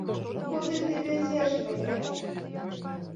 Куды ты вязеш мяне?!